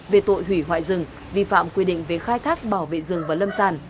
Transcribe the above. về tội hủy hoại rừng vi phạm quy định về khai thác bảo vệ rừng và lâm sản